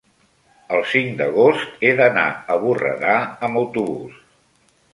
el cinc d'agost he d'anar a Borredà amb autobús.